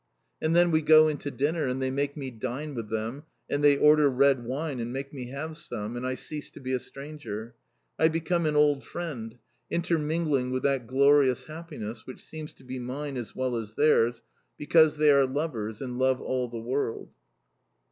And then we go into dinner, and they make me dine with them, and they order red wine, and make me have some, and I cease to be a stranger, I become an old friend, intermingling with that glorious happiness which seems to be mine as well as theirs because they are lovers and love all the world.